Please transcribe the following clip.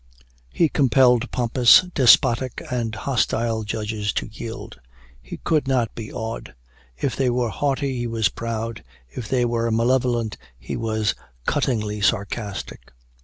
He compelled pompous, despotic, and hostile judges to yield. He could not be awed. If they were haughty, he was proud. If they were malevolent, he was cuttingly sarcastic.